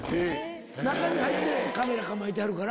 中に入ってカメラ構えてはるから。